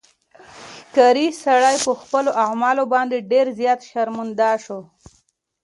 ښکاري سړی په خپلو اعمالو باندې ډېر زیات شرمنده شو.